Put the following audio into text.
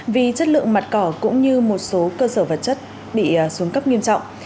vì chất lượng mặt cỏ cũng như một số cơ sở vật chất bị xuống cấp nghiêm trọng